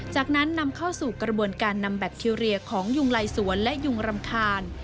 จากนั้นนำเข้าสู่กระบวนการนำแบคทีเรียของยุงไลสวนและยุงรำคาญ